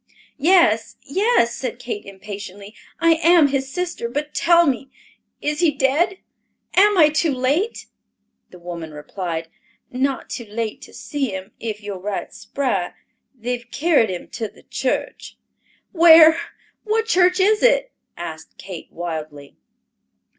"Yes, yes," said Kate impatiently, "I am his sister. But tell me, is he dead? Am I too late?" The woman replied, "Not too late to see him, if you're right spry. They've carried him to the church." "Where? What church is it?" asked Kate wildly.